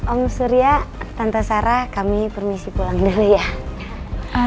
om surya tante sarah kami permisi pulang dulu ya